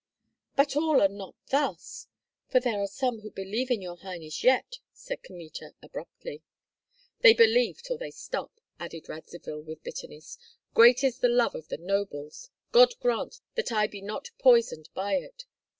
"But all are not thus, for there are some who believe in your highness yet," said Kmita, abruptly. "They believe till they stop," added Radzivill, with bitterness. "Great is the love of the nobles! God grant that I be not poisoned by it!